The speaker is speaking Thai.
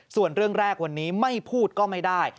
ส่วนเรื่องแรกวันนี้ไม่พูดก็ไม่ได้